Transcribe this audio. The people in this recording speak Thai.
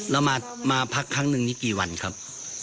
แล้วมาพักครั้งหนึ่งนี่กี่วันครับ